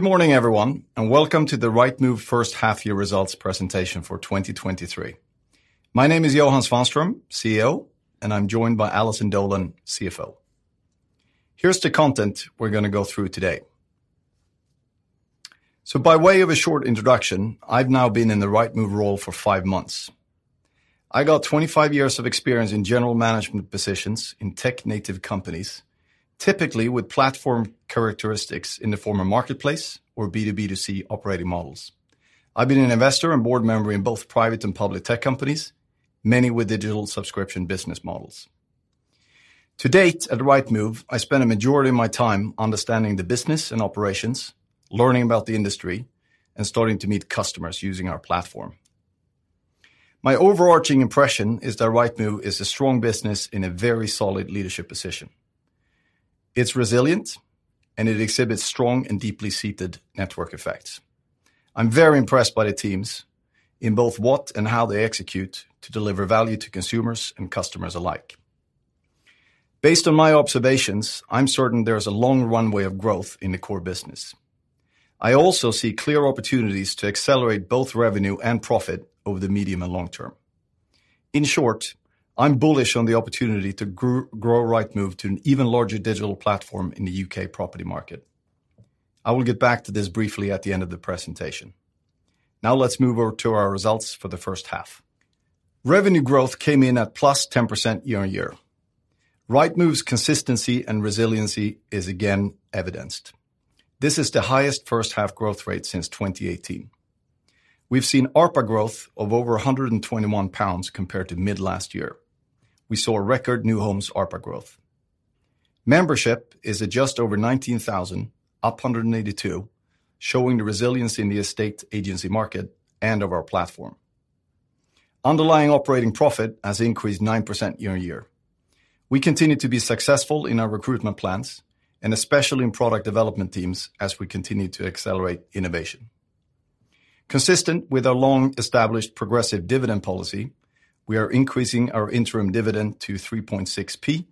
Good morning, everyone, and welcome to the Rightmove First Half Year Results Presentation for 2023. My name is Johan Svanstrom, CEO, and I'm joined by Alison Dolan, CFO. Here's the content we're going to go through today. By way of a short introduction, I've now been in the Rightmove role for five months. I got 25 years of experience in general management positions in tech-native companies, typically with platform characteristics in the former marketplace or B2B2C operating models. I've been an investor and board member in both private and public tech companies, many with digital subscription business models. To date, at Rightmove, I spent a majority of my time understanding the business and operations, learning about the industry, and starting to meet customers using our platform. My overarching impression is that Rightmove is a strong business in a very solid leadership position. It's resilient, and it exhibits strong and deeply seated network effects. I'm very impressed by the teams in both what and how they execute to deliver value to consumers and customers alike. Based on my observations, I'm certain there is a long runway of growth in the core business. I also see clear opportunities to accelerate both revenue and profit over the medium and long term. In short, I'm bullish on the opportunity to grow Rightmove to an even larger digital platform in the U.K. property market. I will get back to this briefly at the end of the presentation. Now, let's move over to our results for the first half. Revenue growth came in at +10% year-on-year. Rightmove's consistency and resiliency is again evidenced. This is the highest first half growth rate since 2018. We've seen ARPA growth of over 121 pounds compared to mid last year. We saw a record new homes ARPA growth. Membership is at just over 19,000, up 182, showing the resilience in the estate agency market and of our platform. Underlying operating profit has increased 9% year-over-year. We continue to be successful in our recruitment plans and especially in product development teams as we continue to accelerate innovation. Consistent with our long-established progressive dividend policy, we are increasing our interim dividend to 0.036,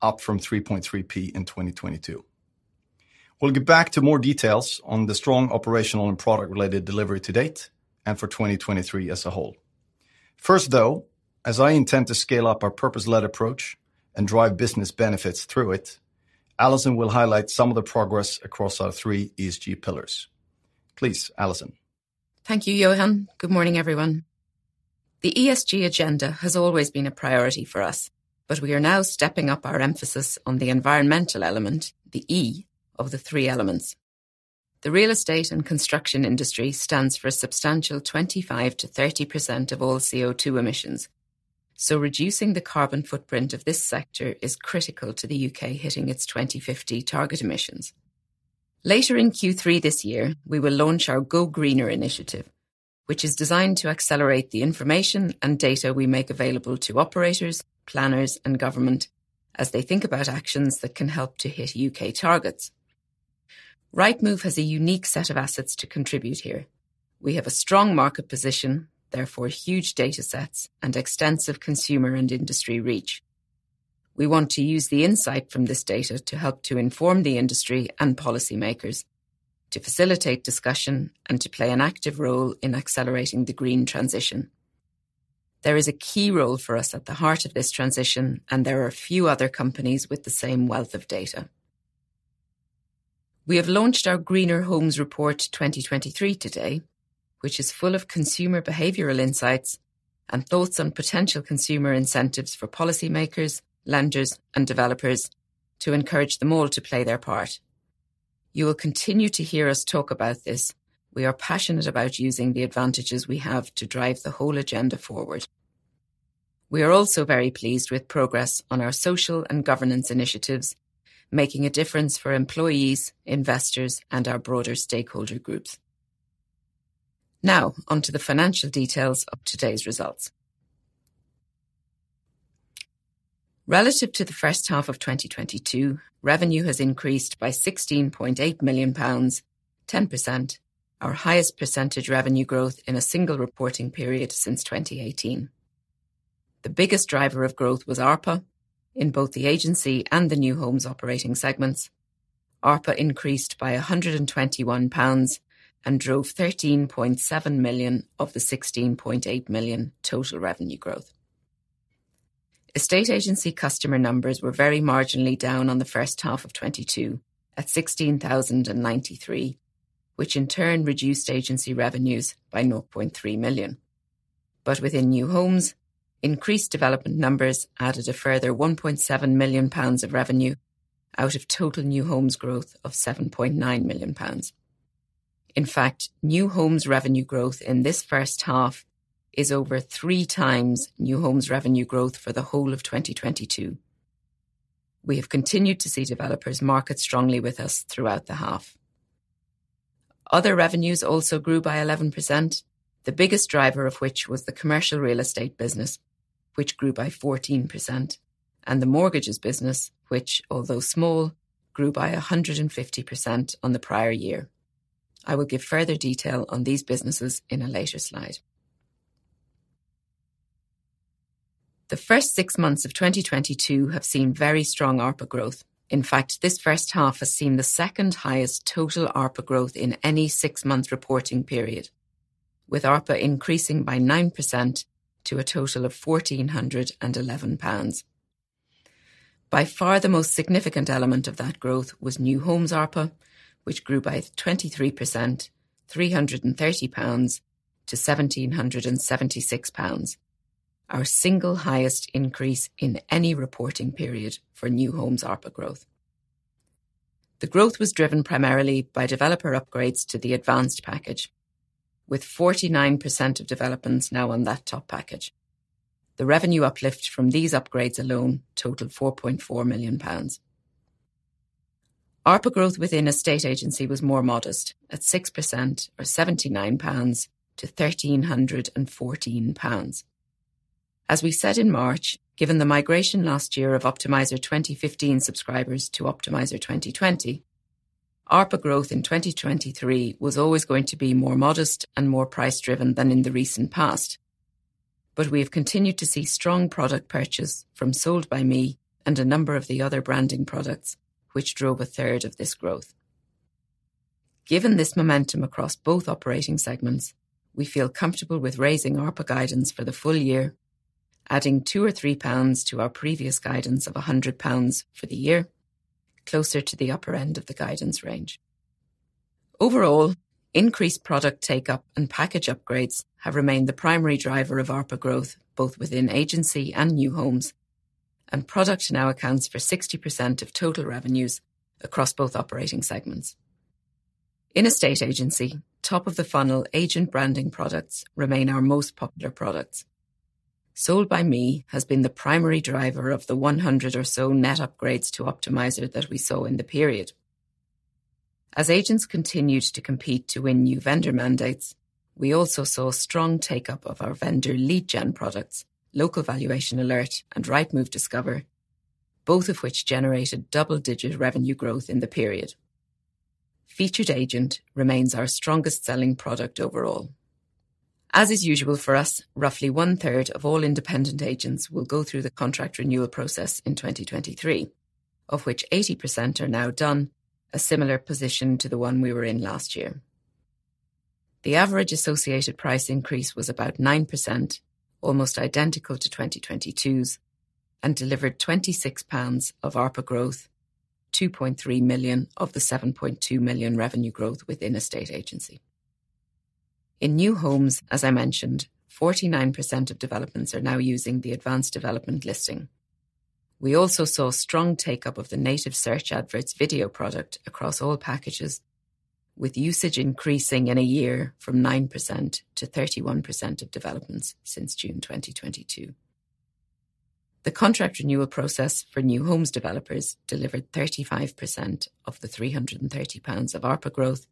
up from 0.033 in 2022. We'll get back to more details on the strong operational and product-related delivery to date and for 2023 as a whole. First, though, as I intend to scale up our purpose-led approach and drive business benefits through it, Alison will highlight some of the progress across our three ESG pillars. Please, Alison. Thank you, Johan. Good morning, everyone. The ESG agenda has always been a priority for us, but we are now stepping up our emphasis on the environmental element, the E of the three elements. The real estate and construction industry stands for a substantial 25%-30% of all CO2 emissions, so reducing the carbon footprint of this sector is critical to the U.K. hitting its 2050 target emissions. Later in Q3 this year, we will launch our Go Greener initiative, which is designed to accelerate the information and data we make available to operators, planners, and government as they think about actions that can help to hit U.K. targets. Rightmove has a unique set of assets to contribute here. We have a strong market position, therefore, huge data sets and extensive consumer and industry reach. We want to use the insight from this data to help to inform the industry and policymakers, to facilitate discussion and to play an active role in accelerating the green transition. There is a key role for us at the heart of this transition, and there are a few other companies with the same wealth of data. We have launched our Greener Homes Report 2023 today, which is full of consumer behavioral insights and thoughts on potential consumer incentives for policymakers, lenders, and developers to encourage them all to play their part. You will continue to hear us talk about this. We are passionate about using the advantages we have to drive the whole agenda forward. We are also very pleased with progress on our social and governance initiatives, making a difference for employees, investors, and our broader stakeholder groups. Now, on to the financial details of today's results. Relative to the first half of 2022, revenue has increased by 16.8 million pounds, 10%, our highest percentage revenue growth in a single reporting period since 2018. The biggest driver of growth was ARPA. In both the agency and the new homes operating segments, ARPA increased by 121 pounds and drove 13.7 million of the 16.8 million total revenue growth. Estate agency customer numbers were very marginally down on the first half of 2022, at 16,093, which in turn reduced agency revenues by 0.3 million. Within new homes, increased development numbers added a further 1.7 million pounds of revenue out of total new homes growth of 7.9 million pounds. In fact, new homes revenue growth in this first half is over 3x new homes revenue growth for the whole of 2022. We have continued to see developers market strongly with us throughout the half. Other revenues also grew by 11%, the biggest driver of which was the commercial real estate business, which grew by 14%, and the mortgages business, which, although small, grew by 150% on the prior year. I will give further detail on these businesses in a later slide. The first six months of 2022 have seen very strong ARPA growth. In fact, this first half has seen the second highest total ARPA growth in any six month reporting period, with ARPA increasing by 9% to a total of 1,411 pounds. By far, the most significant element of that growth was New Homes ARPA, which grew by 23%, 330-1,776 pounds. Our single highest increase in any reporting period for New Homes ARPA growth. The growth was driven primarily by developer upgrades to the Advanced package, with 49% of developments now on that top package. The revenue uplift from these upgrades alone totaled 4.4 million pounds. ARPA growth within Estate Agency was more modest, at 6% or 79-1,314 pounds. As we said in March, given the migration last year of Optimiser 2015 subscribers to Optimiser 2020, ARPA growth in 2023 was always going to be more modest and more price-driven than in the recent past. We have continued to see strong product purchase from Sold By Me and a number of the other branding products, which drove a third of this growth. Given this momentum across both operating segments, we feel comfortable with raising ARPA guidance for the full year, adding 2-3 pounds to our previous guidance of 100 pounds for the year, closer to the upper end of the guidance range. Overall, increased product take-up and package upgrades have remained the primary driver of ARPA growth, both within Agency and New Homes, and product now accounts for 60% of total revenues across both operating segments. In Estate Agency, top of the funnel agent branding products remain our most popular products. Sold By Me has been the primary driver of the 100 or so net upgrades to Optimiser that we saw in the period. As agents continued to compete to win new vendor mandates, we also saw strong take-up of our vendor lead gen products, Local Valuation Alert and Rightmove Discover, both of which generated double-digit revenue growth in the period. Featured Agent remains our strongest selling product overall. As is usual for us, roughly 1/3 of all independent agents will go through the contract renewal process in 2023, of which 80% are now done, a similar position to the one we were in last year. The average associated price increase was about 9%, almost identical to 2022's, and delivered 26 pounds of ARPA growth, 2.3 million of the 7.2 million revenue growth within Estate Agency. In New Homes, as I mentioned, 49% of developments are now using the Advanced development listing. We also saw strong take-up of the Native Search Adverts video product across all packages, with usage increasing in a year from 9% to 31% of developments since June 2022. The contract renewal process for New Homes developers delivered 35% of the 330 pounds of ARPA growth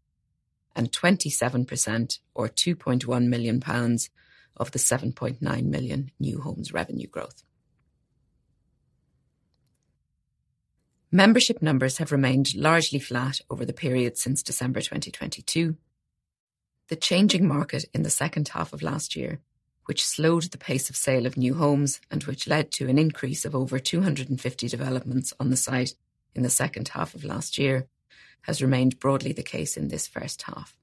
and 27% or 2.1 million pounds of the 7.9 million New Homes revenue growth. Membership numbers have remained largely flat over the period since December 2022. The changing market in the second half of last year, which slowed the pace of sale of New Homes and which led to an increase of over 250 developments on the site in the second half of last year, has remained broadly the case in this first half.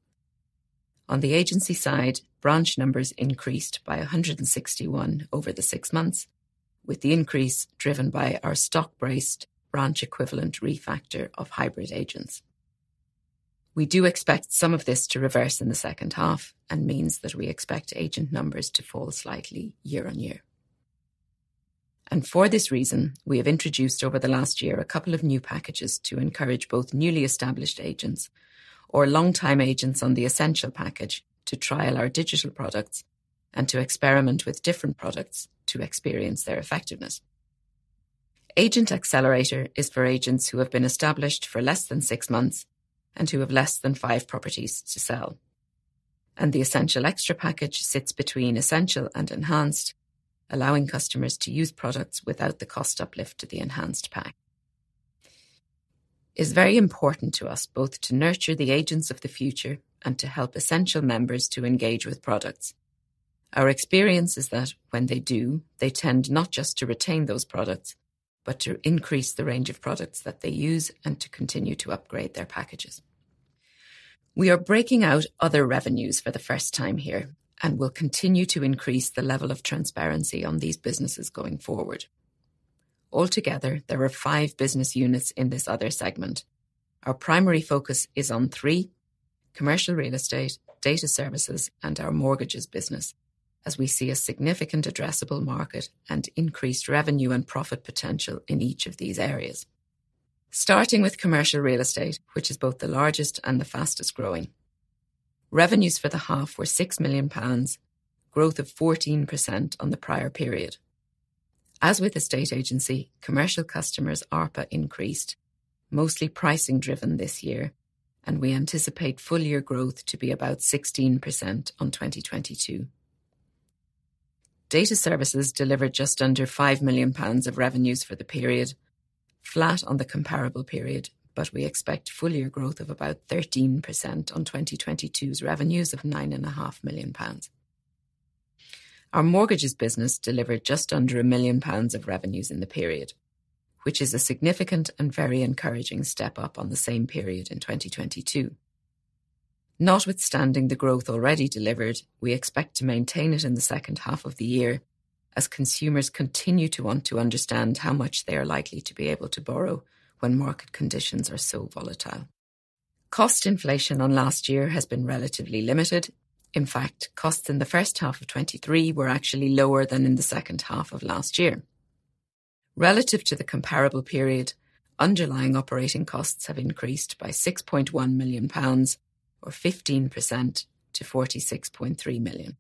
On the agency side, branch numbers increased by 161 over the six months, with the increase driven by our stock-based branch equivalent refactor of hybrid agents. We do expect some of this to reverse in the second half and means that we expect agent numbers to fall slightly year-on-year. For this reason, we have introduced over the last year a couple of new packages to encourage both newly established agents or longtime agents on the Essential package to trial our digital products and to experiment with different products to experience their effectiveness. Agent Accelerator is for agents who have been established for less than 6 months and who have less than five properties to sell. The Essential Extra package sits between Essential and Enhanced, allowing customers to use products without the cost uplift to the Enhanced pack. It's very important to us both to nurture the agents of the future and to help Essential members to engage with products. Our experience is that when they do, they tend not just to retain those products, but to increase the range of products that they use and to continue to upgrade their packages. We are breaking out other revenues for the first time here and will continue to increase the level of transparency on these businesses going forward. Altogether, there are 5 business units in this other segment. Our primary focus is on three: commercial real estate, data services, and our mortgages business. As we see a significant addressable market and increased revenue and profit potential in each of these areas. Starting with commercial real estate, which is both the largest and the fastest-growing. Revenues for the half were 6 million pounds, growth of 14% on the prior period. As with estate agency, commercial customers' ARPA increased, mostly pricing-driven this year. We anticipate full year growth to be about 16% on 2022. Data services delivered just under 5 million pounds of revenues for the period. Flat on the comparable period, we expect full year growth of about 13% on 2022's revenues of 9.5 million pounds. Our mortgages business delivered just under 1 million pounds of revenues in the period, which is a significant and very encouraging step up on the same period in 2022. Notwithstanding the growth already delivered, we expect to maintain it in the second half of the year as consumers continue to want to understand how much they are likely to be able to borrow when market conditions are so volatile. Cost inflation on last year has been relatively limited. In fact, costs in the first half of 2023 were actually lower than in the second half of last year. Relative to the comparable period, underlying operating costs have increased by 6.1 million pounds or 15% to 46.3 million.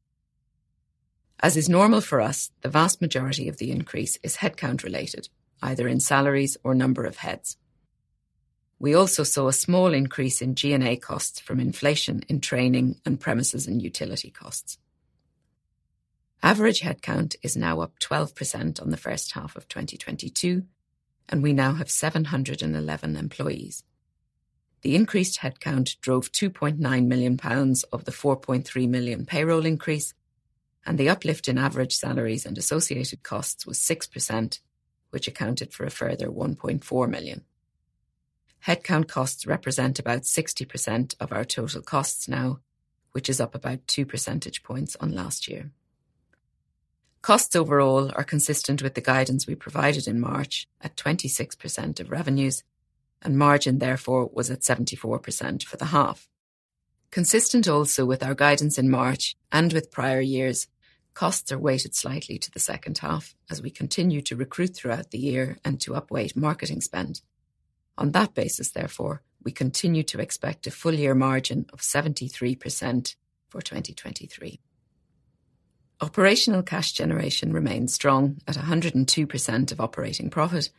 As is normal for us, the vast majority of the increase is headcount related, either in salaries or number of heads. We also saw a small increase in G&A costs from inflation in training and premises and utility costs. Average headcount is now up 12% on the first half of 2022, and we now have 711 employees. The increased headcount drove 2.9 million pounds of the 4.3 million payroll increase, and the uplift in average salaries and associated costs was 6%, which accounted for a further 1.4 million. Headcount costs represent about 60% of our total costs now, which is up about 2 percentage points on last year. Costs overall are consistent with the guidance we provided in March at 26% of revenues, and margin, therefore, was at 74% for the half. Consistent also with our guidance in March and with prior years, costs are weighted slightly to the second half as we continue to recruit throughout the year and to upweight marketing spend. On that basis, therefore, we continue to expect a full year margin of 73% for 2023. Operational cash generation remains strong at 102% of operating profit,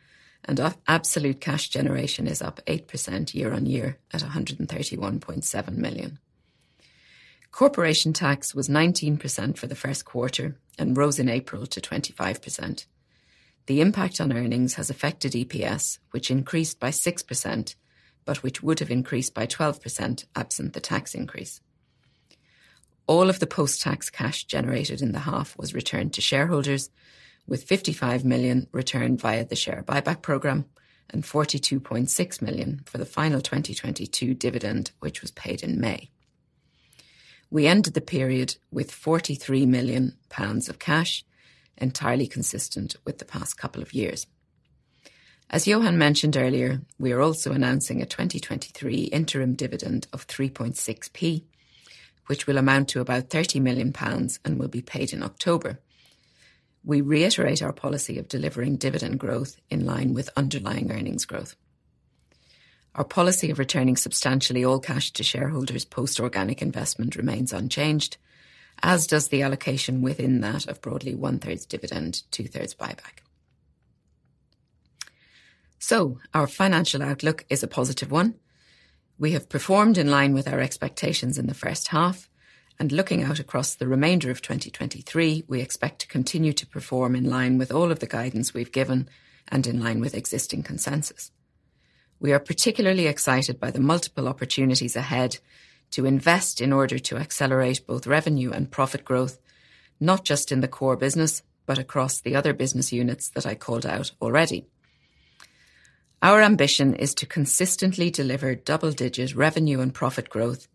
absolute cash generation is up 8% year-on-year at 131.7 million. Corporation tax was 19% for the first quarter and rose in April to 25%. The impact on earnings has affected EPS, which increased by 6%, but which would have increased by 12% absent the tax increase. All of the post-tax cash generated in the half was returned to shareholders, with 55 million returned via the share buyback program and 42.6 million for the final 2022 dividend, which was paid in May. We ended the period with 43 million pounds of cash, entirely consistent with the past couple of years. As Johan mentioned earlier, we are also announcing a 2023 interim dividend of 0.036, which will amount to about 30 million pounds and will be paid in October. We reiterate our policy of delivering dividend growth in line with underlying earnings growth. Our policy of returning substantially all cash to shareholders post-organic investment remains unchanged, as does the allocation within that of broadly 1/3 dividend, 2/3 buyback. Our financial outlook is a positive one. We have performed in line with our expectations in the first half, and looking out across the remainder of 2023, we expect to continue to perform in line with all of the guidance we've given and in line with existing consensus. We are particularly excited by the multiple opportunities ahead to invest in order to accelerate both revenue and profit growth, not just in the core business, but across the other business units that I called out already. Our ambition is to consistently deliver double-digit revenue and profit growth.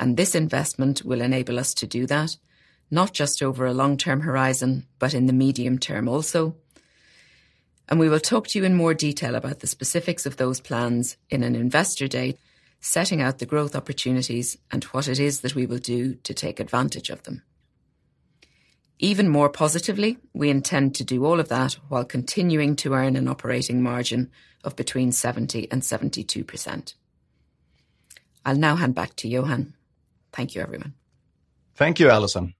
This investment will enable us to do that, not just over a long-term horizon, but in the medium term also. We will talk to you in more detail about the specifics of those plans in an Investor Day, setting out the growth opportunities and what it is that we will do to take advantage of them. Even more positively, we intend to do all of that while continuing to earn an operating margin of between 70% and 72%. I'll now hand back to Johan. Thank you, everyone. Thank you, Alison.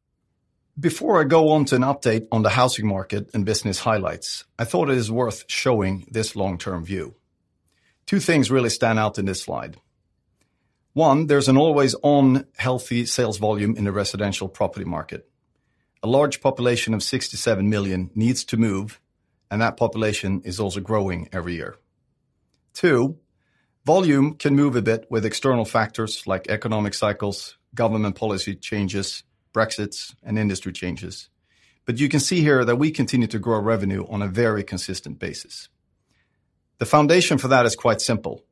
Before I go on to an update on the housing market and business highlights, I thought it is worth showing this long-term view. Two things really stand out in this slide. One, there's an always-on healthy sales volume in the residential property market. A large population of 67 million needs to move, and that population is also growing every year. Two, volume can move a bit with external factors like economic cycles, government policy changes, Brexit, and industry changes. You can see here that we continue to grow revenue on a very consistent basis. The foundation for that is quite simple: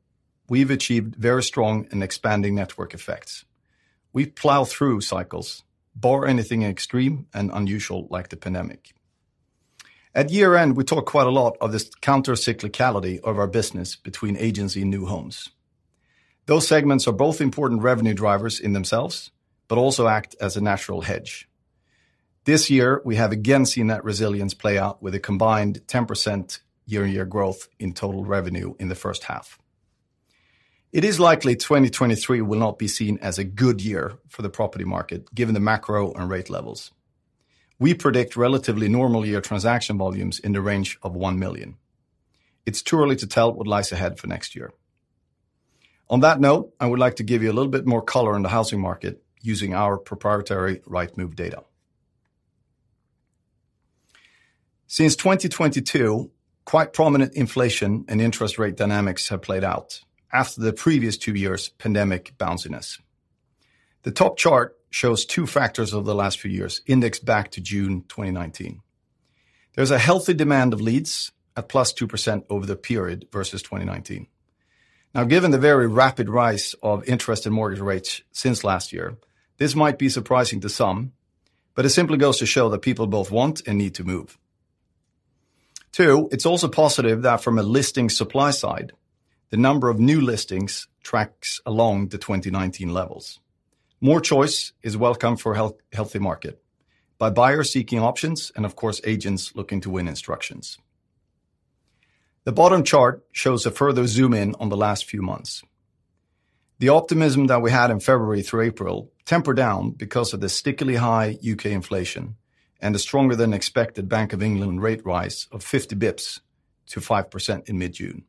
We've achieved very strong and expanding network effects. We plow through cycles, bar anything extreme and unusual, like the pandemic. At year-end, we talk quite a lot of this counter-cyclicality of our business between agency and new homes. Those segments are both important revenue drivers in themselves, but also act as a natural hedge. This year, we have again seen that resilience play out with a combined 10% year-on-year growth in total revenue in the first half. It is likely 2023 will not be seen as a good year for the property market, given the macro and rate levels. We predict relatively normal year transaction volumes in the range of 1 million. It's too early to tell what lies ahead for next year. On that note, I would like to give you a little bit more color on the housing market using our proprietary Rightmove data.... Since 2022, quite prominent inflation and interest rate dynamics have played out after the previous two years pandemic bounciness. The top chart shows two factors over the last few years, indexed back to June 2019. There's a healthy demand of leads at +2% over the period versus 2019. Now, given the very rapid rise of interest in mortgage rates since last year, this might be surprising to some, but it simply goes to show that people both want and need to move. Two, it's also positive that from a listing supply side, the number of new listings tracks along the 2019 levels. More choice is welcome for healthy market, by buyers seeking options and, of course, agents looking to win instructions. The bottom chart shows a further zoom-in on the last few months. The optimism that we had in February through April tempered down because of the stickily high U.K. inflation and the stronger-than-expected Bank of England rate rise of 50 basis points to 5% in mid-June.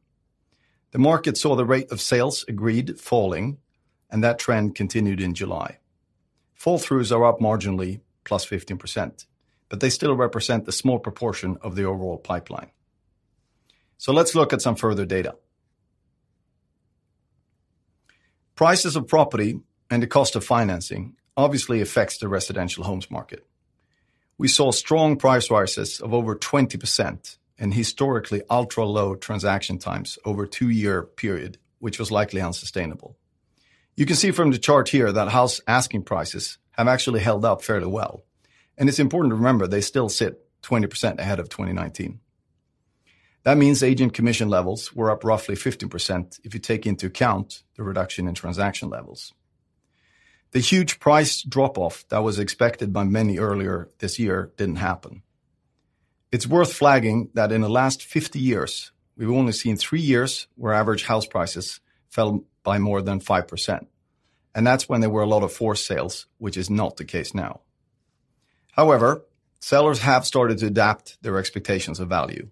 The market saw the rate of sales agreed falling. That trend continued in July. Fall-throughs are up marginally, +15%. They still represent the small proportion of the overall pipeline. Let's look at some further data. Prices of property and the cost of financing obviously affects the residential homes market. We saw strong price rises of over 20% and historically ultra-low transaction times over a two-year period, which was likely unsustainable. You can see from the chart here that house asking prices have actually held up fairly well, and it's important to remember, they still sit 20% ahead of 2019. That means agent commission levels were up roughly 15% if you take into account the reduction in transaction levels. The huge price drop-off that was expected by many earlier this year didn't happen. It's worth flagging that in the last 50 years, we've only seen three years where average house prices fell by more than 5%, and that's when there were a lot of forced sales, which is not the case now. Sellers have started to adapt their expectations of value.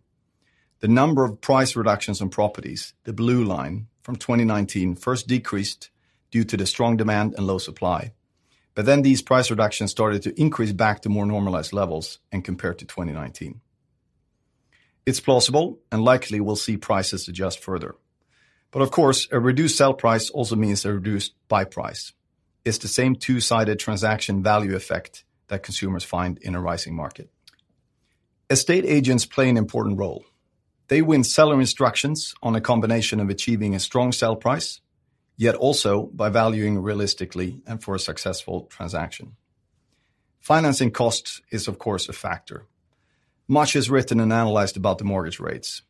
The number of price reductions on properties, the blue line, from 2019 first decreased due to the strong demand and low supply, then these price reductions started to increase back to more normalized levels and compared to 2019. It's plausible and likely we'll see prices adjust further. Of course, a reduced sell price also means a reduced buy price. It's the same two-sided transaction value effect that consumers find in a rising market. Estate agents play an important role. They win seller instructions on a combination of achieving a strong sell price, yet also by valuing realistically and for a successful transaction. Financing cost is, of course, a factor. Much is written and analyzed about the mortgage rates.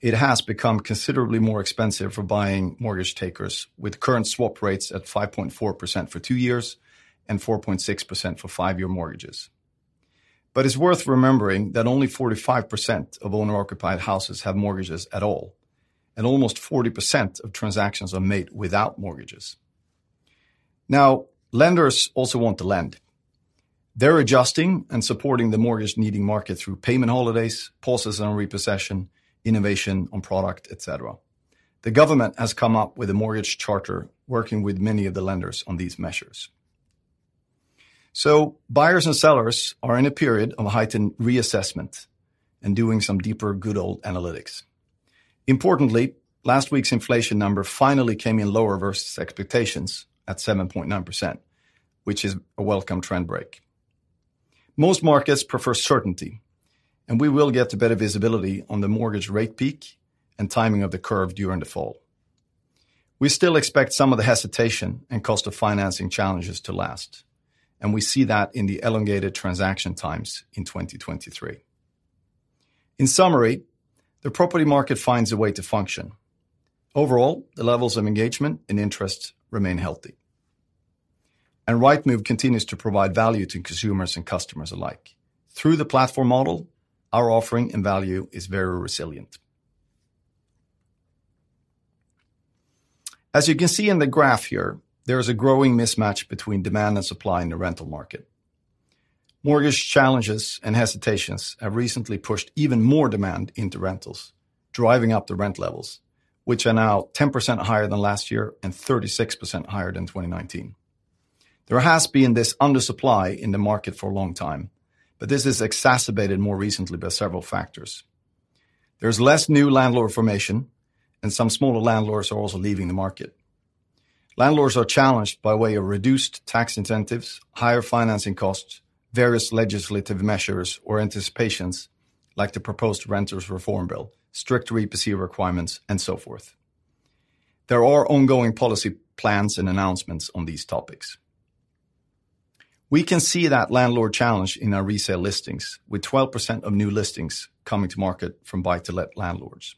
It has become considerably more expensive for buying mortgage takers, with current swap rates at 5.4% for two years and 4.6% for five year mortgages. It's worth remembering that only 45% of owner-occupied houses have mortgages at all, and almost 40% of transactions are made without mortgages. Lenders also want to lend. They're adjusting and supporting the mortgage-needing market through payment holidays, pauses on repossession, innovation on product, et cetera. The government has come up with a Mortgage Charter, working with many of the lenders on these measures. Buyers and sellers are in a period of heightened reassessment and doing some deeper, good old analytics. Importantly, last week's inflation number finally came in lower versus expectations at 7.9%, which is a welcome trend break. Most markets prefer certainty, and we will get to better visibility on the mortgage rate peak and timing of the curve during the fall. We still expect some of the hesitation and cost of financing challenges to last, and we see that in the elongated transaction times in 2023. In summary, the property market finds a way to function. Overall, the levels of engagement and interest remain healthy, and Rightmove continues to provide value to consumers and customers alike. Through the platform model, our offering and value is very resilient. As you can see in the graph here, there is a growing mismatch between demand and supply in the rental market. Mortgage challenges and hesitations have recently pushed even more demand into rentals, driving up the rent levels, which are now 10% higher than last year and 36% higher than 2019. There has been this undersupply in the market for a long time. This is exacerbated more recently by several factors. There's less new landlord formation, and some smaller landlords are also leaving the market. Landlords are challenged by way of reduced tax incentives, higher financing costs, various legislative measures or anticipations, like the proposed Renters (Reform) Bill, strict EPC requirements, and so forth. There are ongoing policy plans and announcements on these topics. We can see that landlord challenge in our resale listings, with 12% of new listings coming to market from buy-to-let landlords.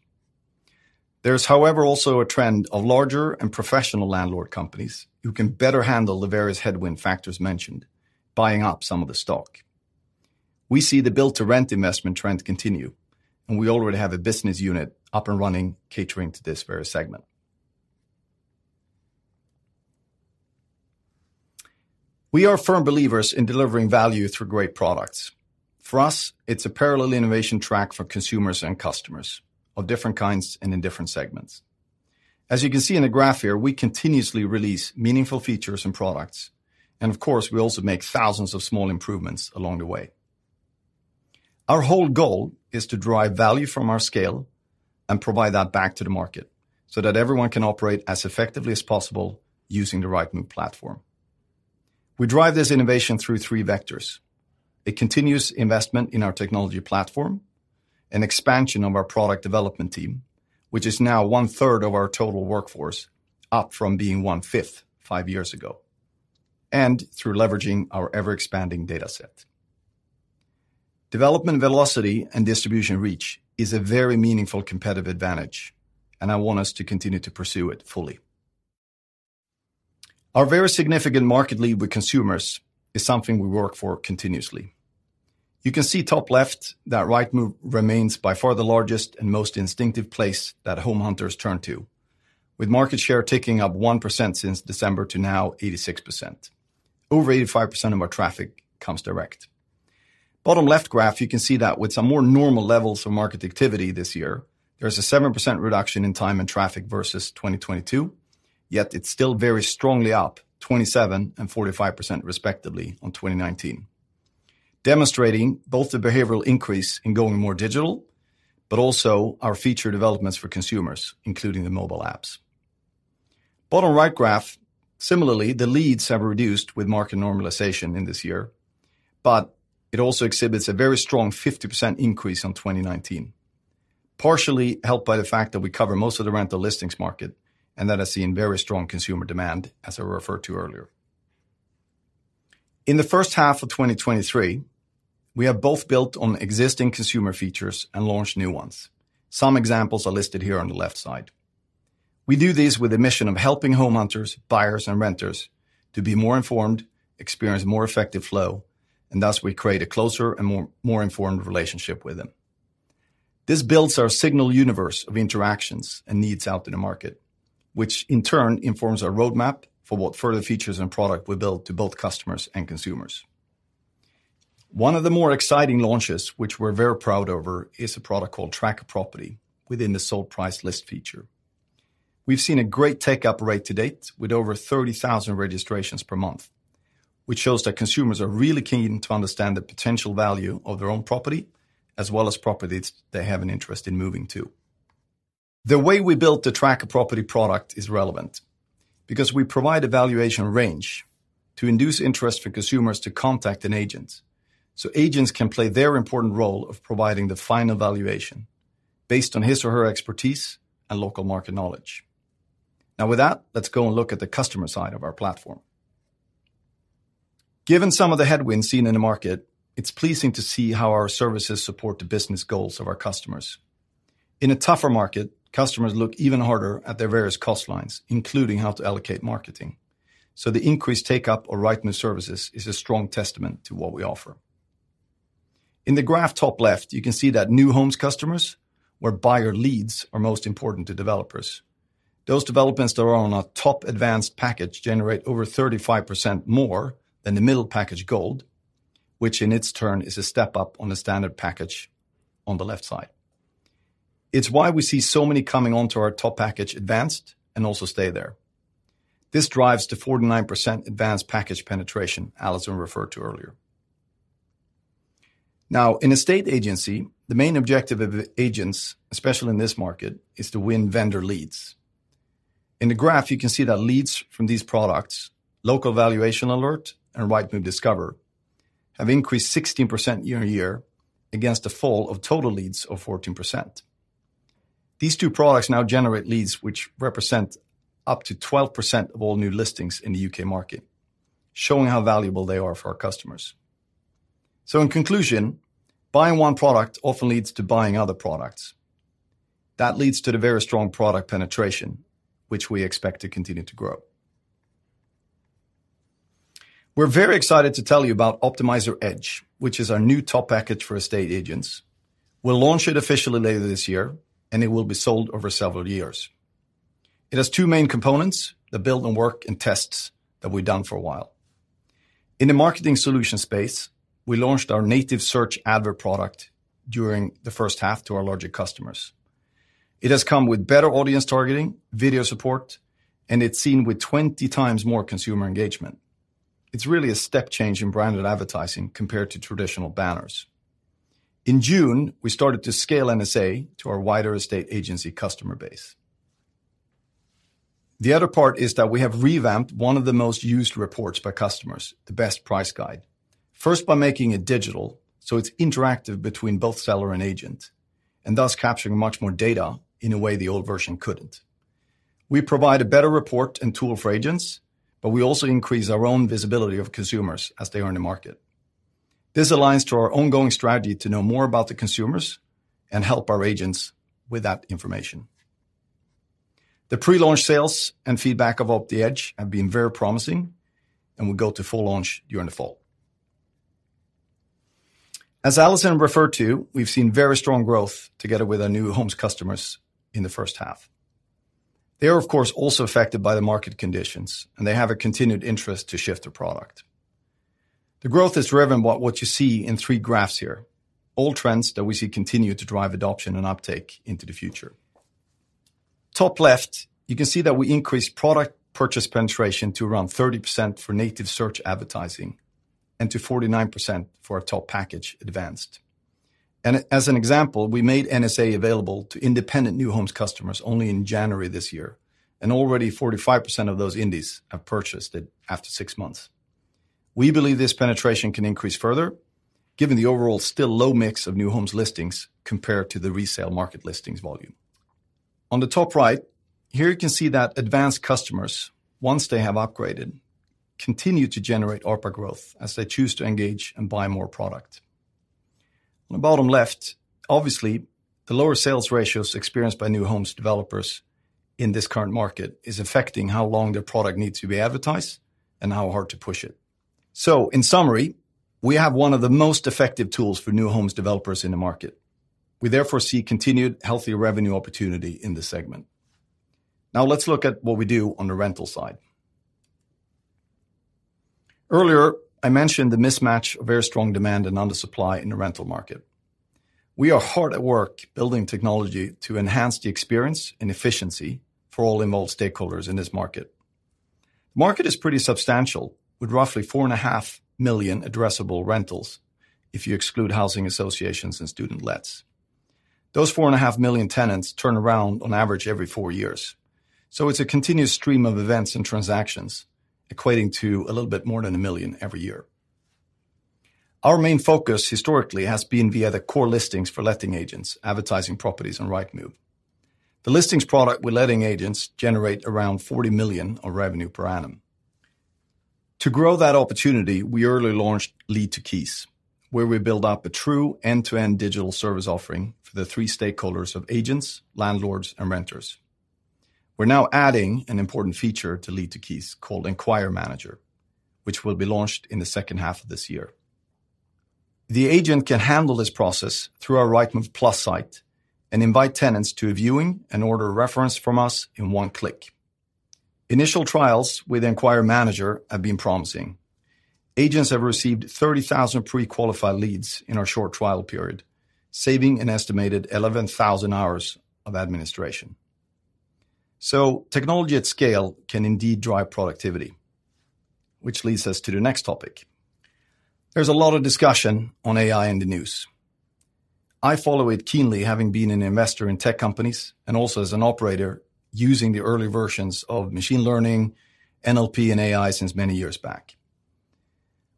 There is, however, also a trend of larger and professional landlord companies, who can better handle the various headwind factors mentioned, buying up some of the stock. We see the Build to Rent investment trend continue, and we already have a business unit up and running, catering to this very segment. We are firm believers in delivering value through great products. For us, it's a parallel innovation track for consumers and customers of different kinds and in different segments. As you can see in the graph here, we continuously release meaningful features and products, and of course, we also make thousands of small improvements along the way. Our whole goal is to drive value from our scale and provide that back to the market so that everyone can operate as effectively as possible using the Rightmove platform. We drive this innovation through three vectors: a continuous investment in our technology platform, an expansion of our product development team, which is now 1/3 of our total workforce, up from being 1/5 five years ago, and through leveraging our ever-expanding data set. Development velocity and distribution reach is a very meaningful competitive advantage, and I want us to continue to pursue it fully. Our very significant market lead with consumers is something we work for continuously. You can see top left, that Rightmove remains by far the largest and most instinctive place that home hunters turn to, with market share ticking up 1% since December to now 86%. Over 85% of our traffic comes direct. Bottom left graph, you can see that with some more normal levels of market activity this year, there's a 7% reduction in time and traffic versus 2022, yet it's still very strongly up 27% and 45%, respectively, on 2019, demonstrating both the behavioral increase in going more digital, but also our feature developments for consumers, including the mobile apps. Bottom right graph, similarly, the leads have reduced with market normalization in this year, it also exhibits a very strong 50% increase on 2019, partially helped by the fact that we cover most of the rental listings market, and that has seen very strong consumer demand, as I referred to earlier. In the first half of 2023, we have both built on existing consumer features and launched new ones. Some examples are listed here on the left side. We do this with a mission of helping home hunters, buyers, and renters to be more informed, experience more effective flow, and thus we create a closer and more, more informed relationship with them. This builds our signal universe of interactions and needs out in the market, which in turn informs our roadmap for what further features and product we build to both customers and consumers. One of the more exciting launches, which we're very proud over, is a product called Track a Property within the Sold Price List feature. We've seen a great take-up rate to date with over 30,000 registrations per month, which shows that consumers are really keen to understand the potential value of their own property, as well as properties they have an interest in moving to. The way we built the Track a Property product is relevant because we provide a valuation range to induce interest for consumers to contact an agent, so agents can play their important role of providing the final valuation based on his or her expertise and local market knowledge. With that, let's go and look at the customer side of our platform. Given some of the headwinds seen in the market, it's pleasing to see how our services support the business goals of our customers. In a tougher market, customers look even harder at their various cost lines, including how to allocate marketing. The increased take-up of Rightmove services is a strong testament to what we offer. In the graph top left, you can see that new homes customers, where buyer leads are most important to developers. Those developments that are on our top Advanced package generate over 35% more than the middle package, Gold, which in its turn, is a 1 step up on the standard package on the left side. It's why we see so many coming on to our top package, Advanced, and also stay there. This drives the 49% Advanced penetration Alison referred to earlier. In an estate agency, the main objective of agents, especially in this market, is to win vendor leads. In the graph, you can see that leads from these products, Local Valuation Alert and Rightmove Discover, have increased 16% year-over-year against a fall of total leads of 14%. These two products now generate leads which represent up to 12% of all new listings in the U.K. market, showing how valuable they are for our customers. In conclusion, buying one product often leads to buying other products. That leads to the very strong product penetration, which we expect to continue to grow. We're very excited to tell you about Optimiser Edge, which is our new top package for estate agents. We'll launch it officially later this year, and it will be sold over several years. It has two main components that build and work in tests that we've done for a while. In the marketing solution space, we launched our Native Search Advert product during the first half to our larger customers. It has come with better audience targeting, video support, and it's seen with 20 times more consumer engagement. It's really a step change in branded advertising compared to traditional banners. In June, we started to scale NSA to our wider estate agency customer base. The other part is that we have revamped one of the most used reports by customers, the Best Price Guide. First, by making it digital, so it's interactive between both seller and agent, and thus capturing much more data in a way the old version couldn't. We provide a better report and tool for agents, but we also increase our own visibility of consumers as they are in the market. This aligns to our ongoing strategy to know more about the consumers and help our agents with that information. The pre-launch sales and feedback of Optimiser Edge have been very promising, and we go to full launch during the fall. As Alison referred to, we've seen very strong growth together with our New Homes customers in the first half. They are, of course, also affected by the market conditions, and they have a continued interest to shift the product.... The growth is driven by what you see in three graphs here, all trends that we see continue to drive adoption and uptake into the future. Top left, you can see that we increased product purchase penetration to around 30% for Native Search Advert and to 49% for our top package, Advanced. As an example, we made NSA available to independent New Homes customers only in January this year, and already 45% of those indies have purchased it after six months. We believe this penetration can increase further, given the overall still low mix of New Homes listings compared to the resale market listings volume. On the top right, here you can see that Advanced customers, once they have upgraded, continue to generate ARPA growth as they choose to engage and buy more product. On the bottom left, obviously, the lower sales ratios experienced by new homes developers in this current market is affecting how long their product needs to be advertised and how hard to push it. In summary, we have one of the most effective tools for new homes developers in the market. We therefore see continued healthy revenue opportunity in this segment. Let's look at what we do on the rental side. Earlier, I mentioned the mismatch of very strong demand and undersupply in the rental market. We are hard at work building technology to enhance the experience and efficiency for all involved stakeholders in this market. The market is pretty substantial, with roughly 4.5 million addressable rentals, if you exclude housing associations and student lets. Those 4.5 million tenants turn around on average every four years, so it's a continuous stream of events and transactions, equating to a little bit more than 1 million every year. Our main focus historically has been via the core listings for letting agents advertising properties on Rightmove. The listings product with letting agents generate around 40 million of revenue per annum. To grow that opportunity, we early launched Lead to Keys, where we build out the true end-to-end digital service offering for the three stakeholders of agents, landlords and renters. We're now adding an important feature to Lead to Keys called Enquiry Manager, which will be launched in the second half of this year. The agent can handle this process through our Rightmove Plus site and invite tenants to a viewing and order a reference from us in one click. Initial trials with Enquiry Manager have been promising. Agents have received 30,000 pre-qualified leads in our short trial period, saving an estimated 11,000 hours of administration. Technology at scale can indeed drive productivity, which leads us to the next topic. There's a lot of discussion on AI in the news. I follow it keenly, having been an investor in tech companies and also as an operator using the early versions of machine learning, NLP, and AI since many years back.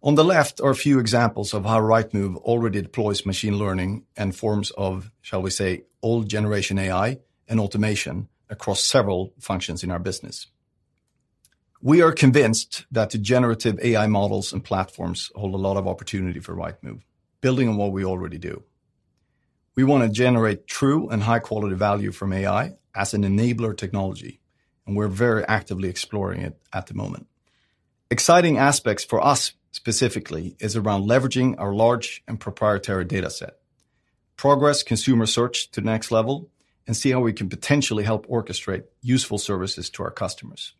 On the left are a few examples of how Rightmove already deploys machine learning and forms of, shall we say, old generation AI and automation across several functions in our business. We are convinced that the generative AI models and platforms hold a lot of opportunity for Rightmove, building on what we already do. We want to generate true and high-quality value from AI as an enabler technology, and we're very actively exploring it at the moment. Exciting aspects for us specifically is around leveraging our large and proprietary data set, progress consumer search to the next level, and see how we can potentially help orchestrate useful services to our customers.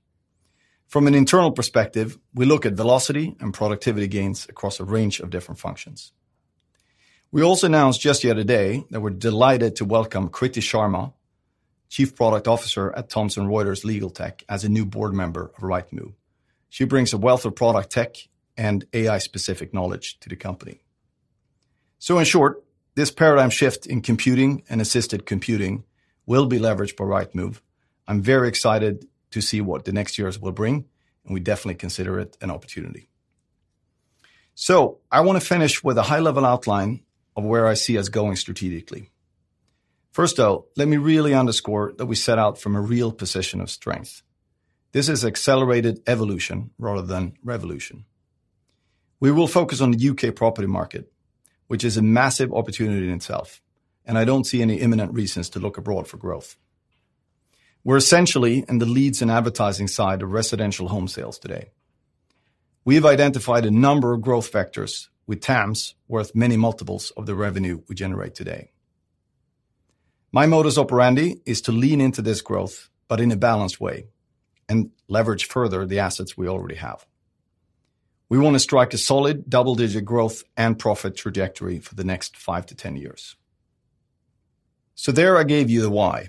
From an internal perspective, we look at velocity and productivity gains across a range of different functions. We also announced just the other day that we're delighted to welcome Kriti Sharma, Chief Product Officer at Thomson Reuters LegalTech, as a new board member of Rightmove. She brings a wealth of product, tech, and AI-specific knowledge to the company. In short, this paradigm shift in computing and assisted computing will be leveraged by Rightmove. I'm very excited to see what the next years will bring, and we definitely consider it an opportunity. I want to finish with a high-level outline of where I see us going strategically. First, though, let me really underscore that we set out from a real position of strength. This is accelerated evolution rather than revolution. We will focus on the U.K. property market, which is a massive opportunity in itself, I don't see any imminent reasons to look abroad for growth. We're essentially in the leads and advertising side of residential home sales today. We've identified a number of growth factors with TAMS worth many multiples of the revenue we generate today. My modus operandi is to lean into this growth, in a balanced way and leverage further the assets we already have. We want to strike a solid double-digit growth and profit trajectory for the next five to 10 years. There I gave you the why.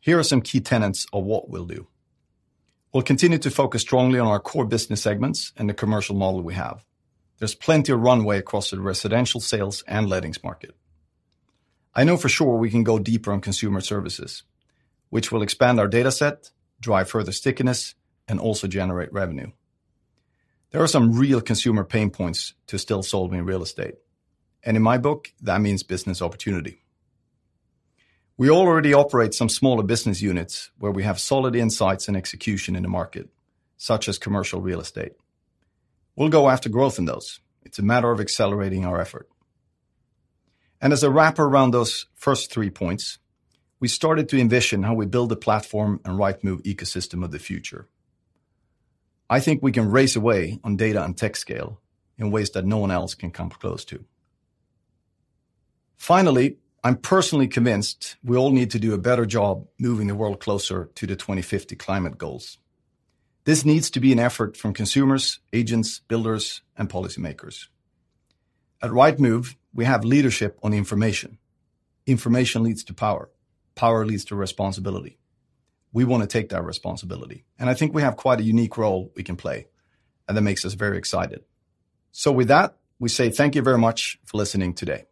Here are some key tenets of what we'll do. We'll continue to focus strongly on our core business segments and the commercial model we have. There's plenty of runway across the residential sales and lettings market. I know for sure we can go deeper on consumer services, which will expand our data set, drive further stickiness, and also generate revenue. There are some real consumer pain points to still solve in real estate, and in my book, that means business opportunity. We already operate some smaller business units where we have solid insights and execution in the market, such as commercial real estate. We'll go after growth in those. It's a matter of accelerating our effort. As a wrap around those first three points, we started to envision how we build the platform and Rightmove ecosystem of the future. I think we can race away on data and tech scale in ways that no one else can come close to. I'm personally convinced we all need to do a better job moving the world closer to the 2050 climate goals. This needs to be an effort from consumers, agents, builders, and policymakers. At Rightmove, we have leadership on information. Information leads to power. Power leads to responsibility. We want to take that responsibility, and I think we have quite a unique role we can play, and that makes us very excited. With that, we say thank you very much for listening today.